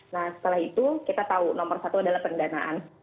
nah setelah itu kita tahu nomor satu adalah pendanaan